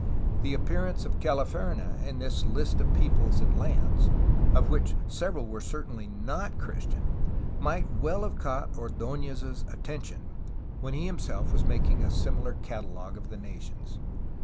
The appearance of "Calif erne" in this fist of peo ples and lands, of which several were certainly not Chris tian, might well have caught Ord6nez's attention, when he himself was making a similar catalogue of the nations.